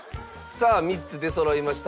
さあ３つ出そろいました。